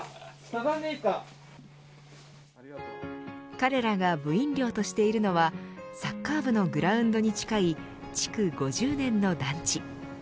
彼らが部員寮としているのはサッカー部のグラウンドに近い築５０年の団地。